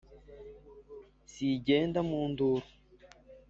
si igenda mu nduru !"